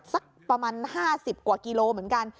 สักประมาณ๕๐กว่ากิโลเหมือนกัน